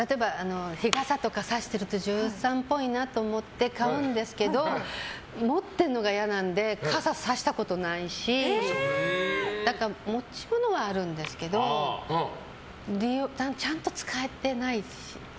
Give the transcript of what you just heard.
日傘とかさしてると女優さんっぽいなと思って買うんですけど持ってるのが嫌なんで傘さしたことはないしだから、持ち物はあるんですけどちゃんと使えてないです。